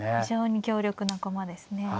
非常に強力な駒ですね。